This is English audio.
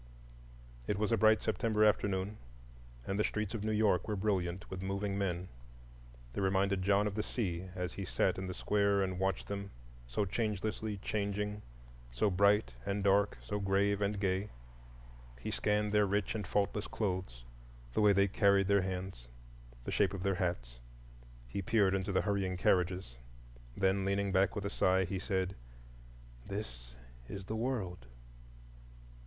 It was a bright September afternoon, and the streets of New York were brilliant with moving men. They reminded John of the sea, as he sat in the square and watched them, so changelessly changing, so bright and dark, so grave and gay. He scanned their rich and faultless clothes, the way they carried their hands, the shape of their hats; he peered into the hurrying carriages. Then, leaning back with a sigh, he said, "This is the World."